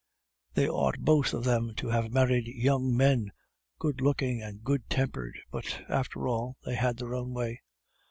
They ought both of them to have married young men, good looking and good tempered but, after all, they had their own way."